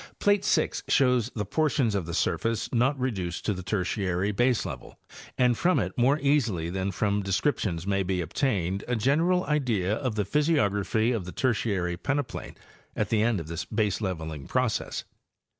Plate 6 shows the portions of the surface not reduced to the Tertiary baselevel, and from it more easily than from descrip tions may be obtained a general idea of the physiography of the Tertiary peneplain at the end of this baseleveling process.